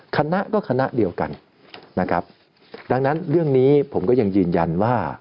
คณะก็คณะเดียวกันนะครับดังนั้นเรื่องนี้ผมก็ยังยืนยันว่า